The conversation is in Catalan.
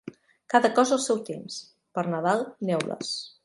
Cada cosa al seu temps; per Nadal, neules.